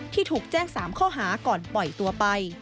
ถูกแจ้ง๓ข้อหาก่อนปล่อยตัวไป